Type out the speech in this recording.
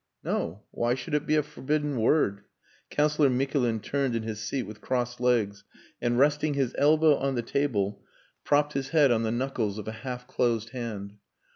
"No. Why should it be a forbidden word?" Councillor Mikulin turned in his seat with crossed legs and resting his elbow on the table propped his head on the knuckles of a half closed hand.